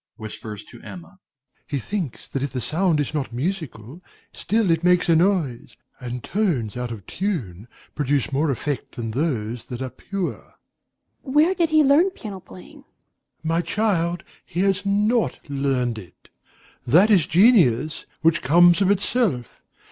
DOMINIE (whispers to Emma). He thinks that if the sound is not musical, still it makes a noise; and tones out of tune produce more effect than those that are pure. EMMA. Where did he learn piano playing? DOMINIE. My child, he has not learned it. That is genius, which comes of itself.